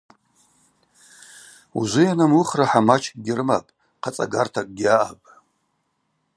Ужвы йанамуыхуа хӏамачкӏгьи рымапӏ, хъацӏагартакӏгьи аъапӏ.